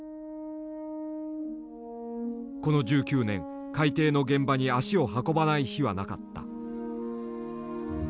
この１９年海底の現場に足を運ばない日はなかった。